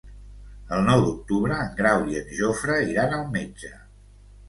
El nou d'octubre en Grau i en Jofre iran al metge.